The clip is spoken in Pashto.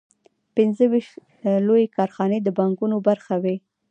پنځه ویشت لویې کارخانې د بانکونو برخه وې